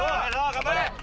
頑張れ！